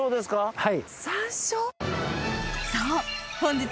はい。